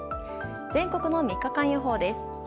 全国の３日間予報です。